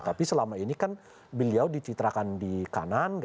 tapi selama ini kan beliau dicitrakan di kanan